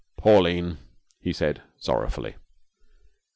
'Pauline!' he said, sorrowfully.